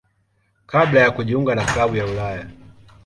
kabla ya kujiunga na klabu ya Ulaya.